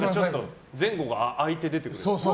前後が空いて出てる人。